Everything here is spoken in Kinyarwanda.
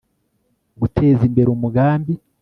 gutezimbere umugambi